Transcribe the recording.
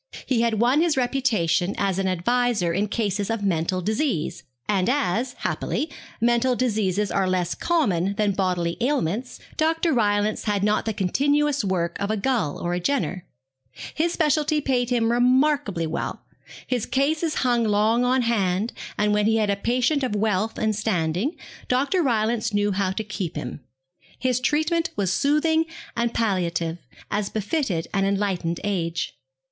He had won his reputation as an adviser in cases of mental disease; and as, happily, mental diseases are less common than bodily ailments, Dr. Rylance had not the continuous work of a Gull or a Jenner. His speciality paid him remarkably well. His cases hung long on hand, and when he had a patient of wealth and standing Dr. Rylance knew how to keep him. His treatment was soothing and palliative, as befitted an enlightened age.